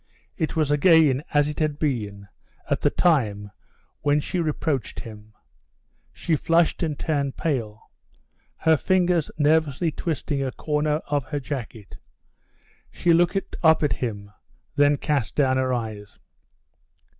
It was again as it had been at the time when she reproached him. She flushed and turned pale, her fingers nervously twisting a corner of her jacket. She looked up at him, then cast down her eyes.